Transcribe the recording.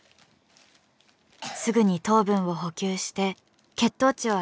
すぐに糖分を補給して血糖値を上げる必要があります。